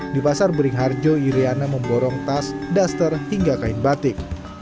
di pasar beringharjo iryana memborong tas duster hingga kain batik